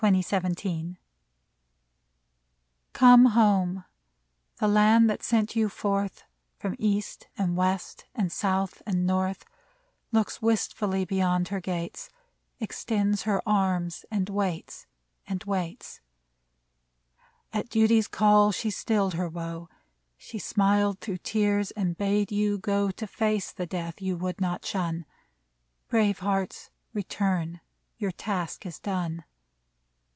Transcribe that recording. i6o WELCOME /'"^OME home ! The Land that sent you forth From East and West, from South and North, Looks wistfully beyond her gates, Extends her arms and waits — and waits I At duty's call she stilled her woe ; She smiled through tears and bade you go To face the death you would not shun. Brave hearts, return ! Your task is done.